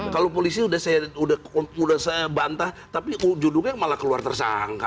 kalau polisi sudah saya bantah tapi judulnya malah keluar tersangka